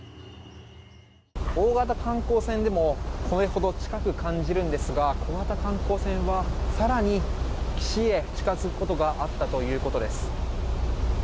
大型観光船でもこれほど近く感じるんですが小型観光船は更に岸へ近づくことがあったということです。